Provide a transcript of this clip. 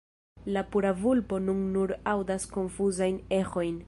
La pura vulpo nun nur aŭdas konfuzajn eĥojn.